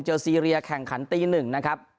ซีเรียแข่งขันตี๑นะครับ